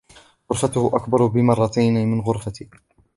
غرفته أكبر بمرتين من غرفتي.